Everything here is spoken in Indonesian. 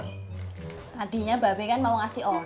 tadinya bapak kan mau ngasih orang